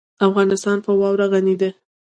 افغانستان په واوره غني دی.